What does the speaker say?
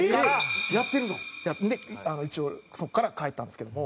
やってるの？で一応そこからは帰ったんですけども。